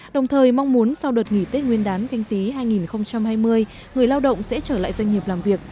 đồng thời mong muốn sau đợt nghỉ tết nguyên đán canh tí hai nghìn hai mươi người lao động sẽ trở lại doanh nghiệp làm việc